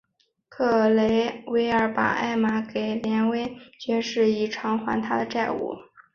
格雷维尔把艾玛给威廉爵士以偿还他的债务。